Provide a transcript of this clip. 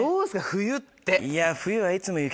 冬って。